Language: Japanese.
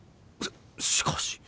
ししかし。